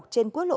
trên quốc gia